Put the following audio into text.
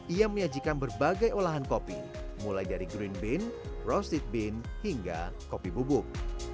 ia menyajikan berbagai olahan kopi mulai dari green bean roasted bean hingga kopi bubuk